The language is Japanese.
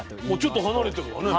ちょっと離れてるわね。